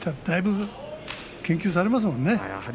だいぶ研究されますものね。